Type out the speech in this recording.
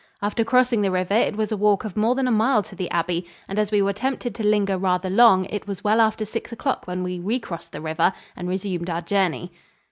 After crossing the river it was a walk of more than a mile to the abbey, and as we were tempted to linger rather long it was well after six o'clock when we re crossed the river and resumed our journey.